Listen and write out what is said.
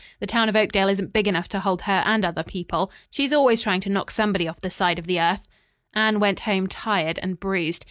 The town of Oakdale isn't big enough to hold her and other people. She's always trying to knock somebody off the side of the earth." Anne went home, tired and bruised.